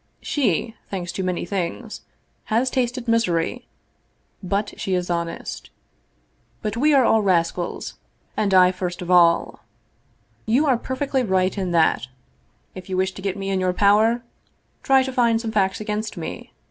She, thanks to many things, has tasted misery, but she is honest But we are all rascals, and I first of all. You are perfectly right in that. If you wish to get me in your power try to find some facts against me.